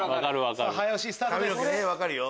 早押しスタートです。